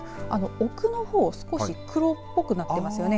奥の方少し黒っぽくなっていますよね。